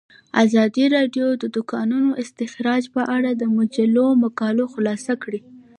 ازادي راډیو د د کانونو استخراج په اړه د مجلو مقالو خلاصه کړې.